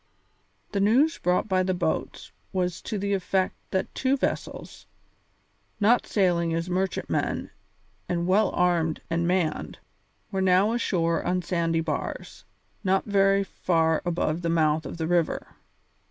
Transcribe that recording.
The news brought by the boats was to the effect that two vessels, not sailing as merchantmen and well armed and manned, were now ashore on sand bars, not very far above the mouth of the river.